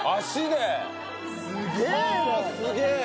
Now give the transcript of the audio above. すげえな！